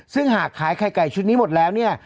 ซึ่งหากขายไข่ไก่ชุดนี้หมดแล้วเนี่ย